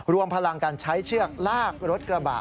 รวมพลังการใช้เชือกลากรถกระบะ